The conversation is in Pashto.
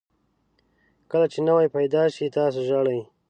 کله چې نوی پیدا شئ تاسو ژاړئ.